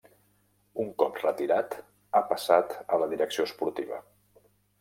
Un cop retirat, ha passat a la direcció esportiva.